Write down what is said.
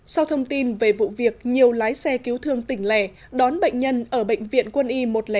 sau thông tin về vụ việc nhiều lái xe cứu thương tỉnh lẻ đón bệnh nhân ở bệnh viện quân y một trăm linh năm